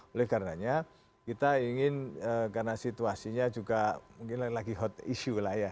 oleh karenanya kita ingin karena situasinya juga mungkin lagi hot issue lah ya